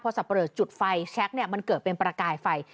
สับปะเลอจุดไฟแชคเนี่ยมันเกิดเป็นประกายไฟ